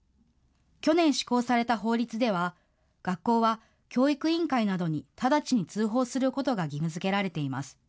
去年施行された法律では、学校は教育委員会などに直ちに通報することが義務づけられています。